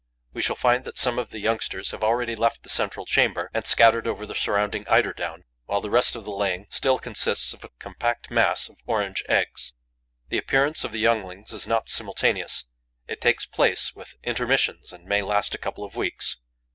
We shall find that some of the youngsters have already left the central chamber and scattered over the surrounding eiderdown, while the rest of the laying still consists of a compact mass of orange eggs. The appearance of the younglings is not simultaneous; it takes place with intermissions and may last a couple of weeks.